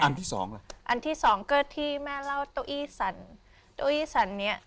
อันที่สองอะไรอันที่สองก็ที่แม่เล่าตัวอี้สรรตัวอี้สรรเนี้ย